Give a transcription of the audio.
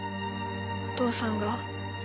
お父さんが？